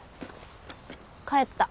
帰った。